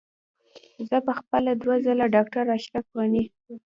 زه په خپله دوه ځله ډاکټر اشرف غني.